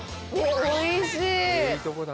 おいしい！